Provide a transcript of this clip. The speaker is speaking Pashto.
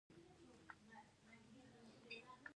کلتور د افغانستان په طبیعت کې مهم رول لري.